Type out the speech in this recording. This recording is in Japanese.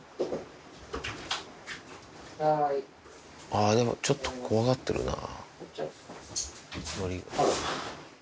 あぁでもちょっと怖がってるな。